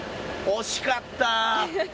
惜しかった。